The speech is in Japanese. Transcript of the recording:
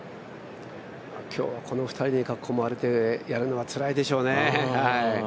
今日はこの２人に囲まれてやるのはつらいでしょうね。